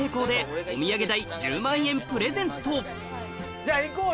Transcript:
じゃあ行こうよ！